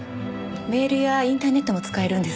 メールやインターネットも使えるんです。